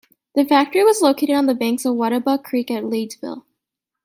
The factory was located on the banks of Webatuck Creek at Leedsville.